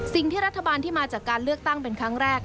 สิ่งที่รัฐบาลที่มาจากการเลือกตั้งเป็นครั้งแรก